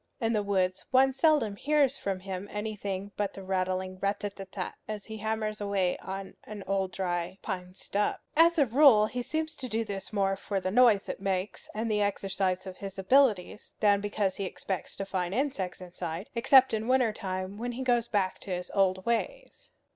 In the woods one seldom hears from him anything but the rattling rat a tat tat, as he hammers away on a dry old pine stub. As a rule he seems to do this more for the noise it makes, and the exercise of his abilities, than because he expects to find insects inside; except in winter time, when he goes back to his old ways.